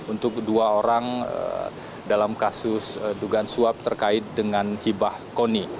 untuk dua orang dalam kasus dugaan suap terkait dengan hibah koni